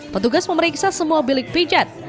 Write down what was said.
petugas memeriksa semua bilik pijat